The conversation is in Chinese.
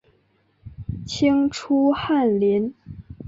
清初翰林。